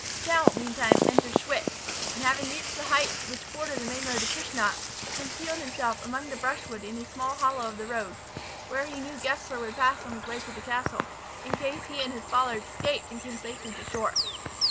Tell, meantime, entered Schwyz, and having reached the heights which border the main road to Kussnacht, concealed himself among the brushwood in a small hollow of the road, where he knew Gessler would pass on his way to his own castle, in case he and his followers escaped and came safely to shore.